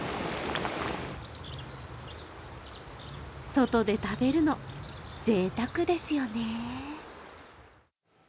外で食べるの、ぜいたくですよね。